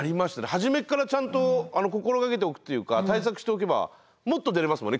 初めっからちゃんと心がけておくっていうか対策しておけばもっと出れますもんね。